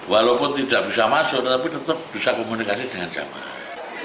walaupun tidak bisa masuk tapi tetap bisa komunikasi dengan jemaah